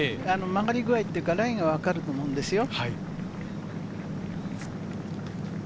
曲がり具合っていうか、ラインは分かると思うんですよ。